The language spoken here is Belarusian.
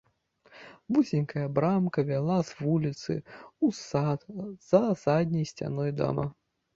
Вузенькая брамка вяла з вуліцы ў сад за задняй сцяной дома.